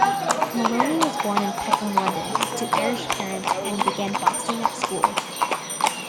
Maloney was born in Peckham, London, to Irish parents, and began boxing at school.